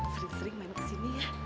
sering sering main kesini ya